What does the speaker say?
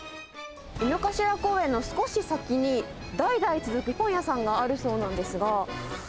井の頭公園の少し先に、代々続くパン屋さんがあるそうなんですが。